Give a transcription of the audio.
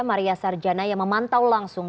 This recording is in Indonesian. maria sarjana yang memantau langsung